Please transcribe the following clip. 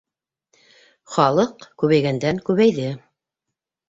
Халыҡ күбәйгәндән-күбәйҙе.